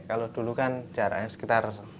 kalau dulu kan jaraknya sekitar